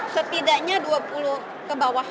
setidaknya dua puluh ke bawah